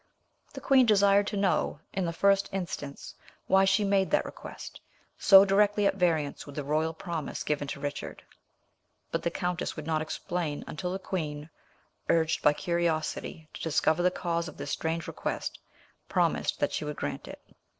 The queen desired to know, in the first instance, why she made that request, so directly at variance with the royal promise given to Richard; but the countess would not explain until the queen, urged by curiosity to discover the cause of this strange request, promised that she would grant it.